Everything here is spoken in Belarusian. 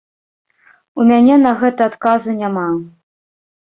У мяне на гэта адказу няма.